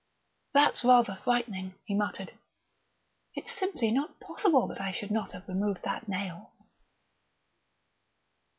"That's rather frightening," he muttered. "It's simply not possible that I should not have removed that nail...."